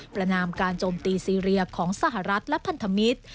ประนามการโจมตีซีเรียของสหรัฐและพันธมิตร